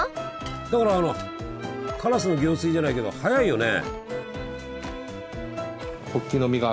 だからあの「烏の行水」じゃないけど早いよね。